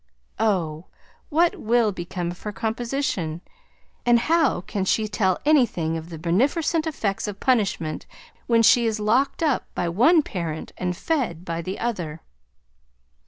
Oh! What will become of her composition, and how can she tell anything of the benefercent effects of punishment, when she is locked up by one parent, and fed by the other?